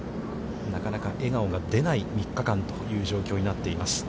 なかなか笑顔が出ない３日間という状況になっています。